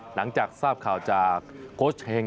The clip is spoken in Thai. หลังจากทราบข่าวจากโค้ชเฮง